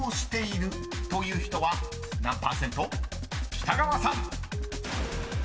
［北川さん］